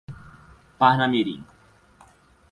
Parnamirim